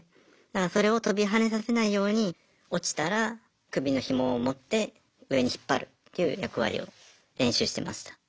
だからそれを跳びはねさせないように落ちたら首のひもを持って上に引っ張るっていう役割を練習してました。